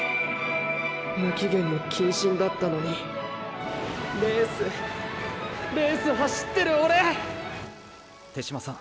無期限の謹慎だったのにレースレース走ってるオレ手嶋さん